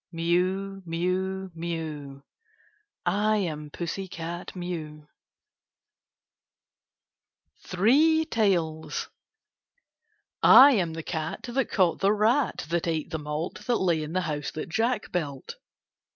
Mew! mew! mew! I am Pussy cat Mew, 60 KITTEK8 AlfD OATS THREE TALES I am the cat, that caught the rat, That ate the malt. That lay in the house that Jack built.